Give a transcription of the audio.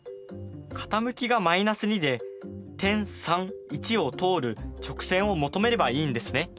傾きが−２で点を通る直線を求めればいいんですね。